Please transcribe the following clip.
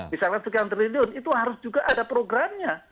misalkan sekian triliun itu harus juga ada programnya